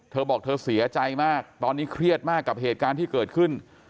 เธอบอกเธอเสียใจมากตอนนี้เครียดมากกับเหตุการณ์ที่เกิดขึ้น